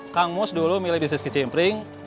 kang mus dulu milih bisnis kecimpring